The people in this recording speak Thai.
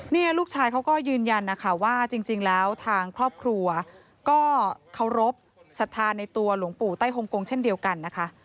นี่ลูกชายเขาก็ยืนยันนะคะว่าจริงแล้วทางครอบครัวก็เคารพสัทธาในตัวหลวงปู่ใต้ฮงกงเช่นเดียวกันนะคะ